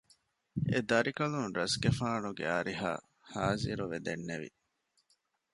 އެދަރިކަލުން ރަސްގެފާނުގެ އަރިހަށް ޚާޒިރުވެ ދެންނެވި